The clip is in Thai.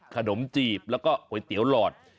ขนมจีบแล้วก็ก๋วยเตี๋ยวหลอด